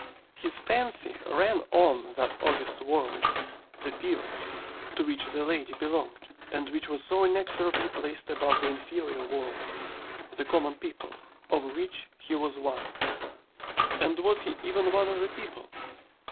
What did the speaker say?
His fancy ran on that august world, the peerage, to which the lady belonged, and which was so inexorably placed above the inferior world, the common people, of which he was one. And was he even one of the people?